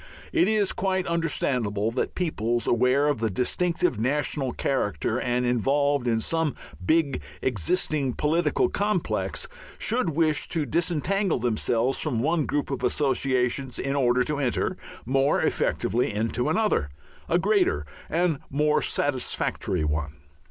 It is quite understandable that peoples aware of a distinctive national character and involved in some big existing political complex, should wish to disentangle themselves from one group of associations in order to enter more effectively into another, a greater, and more satisfactory one.